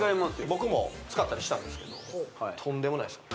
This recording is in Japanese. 僕も使ったりしたんですけどとんでもないですよ